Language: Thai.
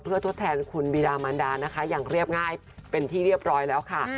เพื่อทดแทนคุณบีดามันดานะคะอย่างเรียบง่ายเป็นที่เรียบร้อยแล้วค่ะ